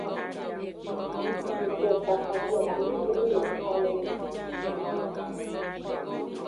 Zhinkpin kakakle amene yi le exo lo me.